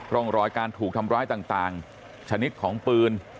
ร่องรอยการถูกทำร้ายต่างชนิดของปืน